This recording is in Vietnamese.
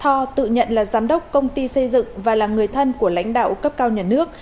thor tự nhận là giám đốc công ty xây dựng và là người thân của lãnh đạo cấp cao nhà nước